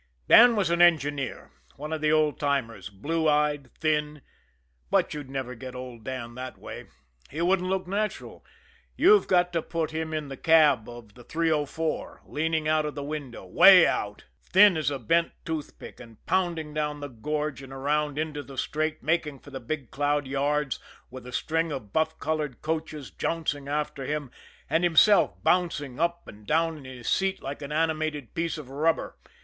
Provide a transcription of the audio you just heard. Dan was an engineer, one of the old timers, blue eyed, thin but you'd never get old Dan that way, he wouldn't look natural! You've got to put him in the cab of the 304, leaning out of the window, way out, thin as a bent toothpick, and pounding down the gorge and around into the straight making for the Big Cloud yards, with a string of buff colored coaches jouncing after him, and himself bouncing up and down in his seat like an animated piece of rubber.